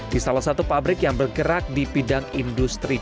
di salah satu pabrik yang bergerak di bidang industri